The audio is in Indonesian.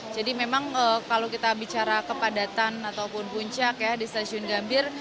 jadi memang kalau kita bicara kepadatan ataupun puncak ya di stasiun gambir